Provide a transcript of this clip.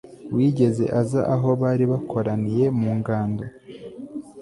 wigeze aza aho bari bakoraniye mu ngando